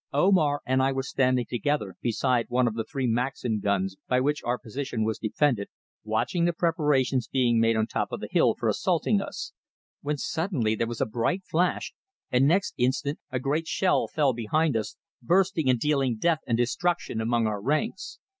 Omar and I were standing together beside one of the three Maxim guns by which our position was defended, watching the preparations being made on the top of the hill for assaulting us, when suddenly there was a bright flash, and next instant a great shell fell behind us, bursting and dealing death and destruction among our ranks.